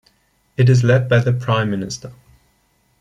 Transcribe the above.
It is led by the Prime Minister.